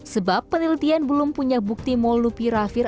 sebab penelitian belum punya bukti melupi rafir